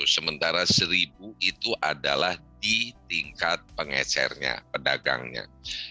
sementara rp satu itu adalah di tingkat pengecernya pedagangnya